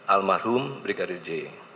almarhum brigadir j